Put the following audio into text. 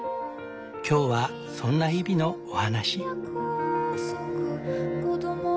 今日はそんな日々のお話。